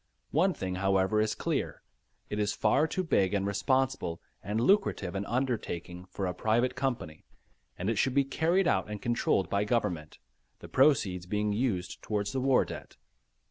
One thing however, is clear. It is far too big and responsible and lucrative an undertaking for a private company, and it should be carried out and controlled by Government, the proceeds being used towards the war debt.